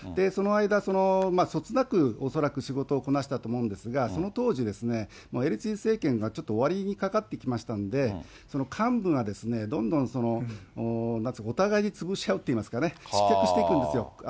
その間、そつなく恐らく仕事をこなしたと思うんですが、その当時、エリツィン政権がちょっと終わりにかかってきましたんで、幹部がどんどんお互いに潰し合うといいますか、失脚していくんですよ。